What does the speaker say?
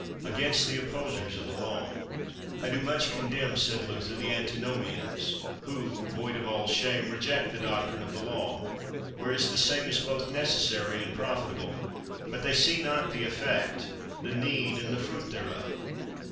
Against the Opposers of the Law. I do much condemn, said Luther, the Antinomians, who, void of all shame, reject the doctrine of the Law, whereas the same is both necessary and profitable. But they see not the effect, the need, and the fruit thereof.